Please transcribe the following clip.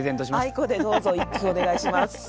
アイコでどうぞ一句お願いします。